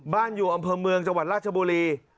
อยู่อำเภอเมืองจังหวัดราชบุรี